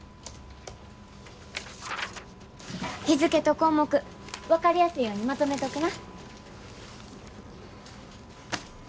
日付と項目分かりやすいようにまとめとくな。